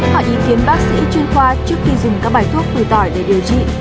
hỏi ý kiến bác sĩ chuyên khoa trước khi dùng các bài thuốc từ tỏi để điều trị